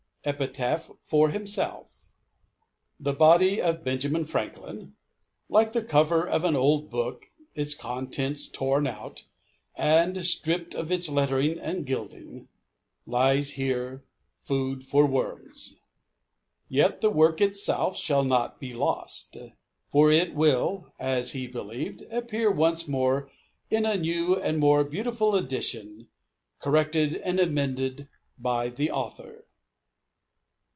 EPITAPH FOR HIMSELF THE BODY OF BENJAMIN FRANKLIN (LIKE THE COVER OF AN OLD BOOK, ITS CONTENTS TORN OUT, AND STRIPT OF ITS LETTERING AND GILDING), LIES HERE FOOD FOR WORMS; YET THE WORK ITSELF SHALL NOT BE LOST, FOR IT WILL (AS HE BELIEVED) APPEAR ONCE MORE IN A NEW AND MORE BEAUTIFUL EDITION CORRECTED AND AMENDED BY THE AUTHOR.